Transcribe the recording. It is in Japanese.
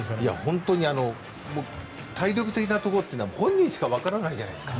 本当に体力的なところというのは本人しかわからないじゃないですか。